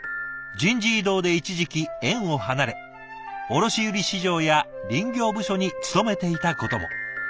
人事異動で一時期園を離れ卸売市場や林業部署に勤めていたことも。